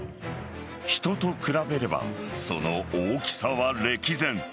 人と比べればその大きさは歴然。